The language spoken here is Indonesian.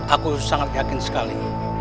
aku sangat yakin sekali